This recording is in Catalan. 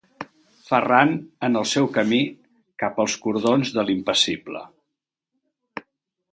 Ferran en el seu camí cap als cordons de l'impassible.